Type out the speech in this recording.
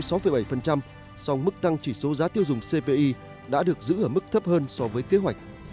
song mức tăng chỉ số giá tiêu dùng cpi đã được giữ ở mức thấp hơn so với kế hoạch